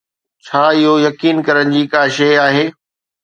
ڇا اهو يقين ڪرڻ جي ڪا شيء آهي؟